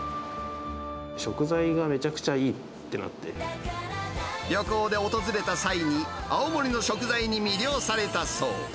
食材がめちゃくちゃいいって旅行で訪れた際に、青森の食材に魅了されたそう。